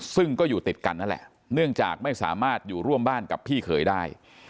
ซึ่งก็อยู่ติดกันนั่นแหละเนื่องจากไม่สามารถอยู่ร่วมบ้านกับพี่เขยได้